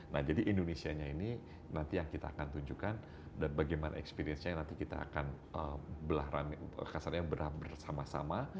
nah jadi indonesia nya ini nanti yang kita akan tunjukkan dan bagaimana experience nya nanti kita akan kasarnya bersama sama